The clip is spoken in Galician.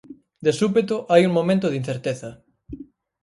De súpeto hai un momento de incerteza.